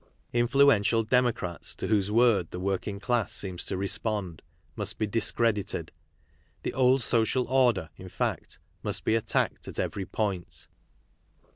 Influential democrats to whose word the work ing class seems to respond, must be discredited. The old social order, in fact, must be attacked at every point.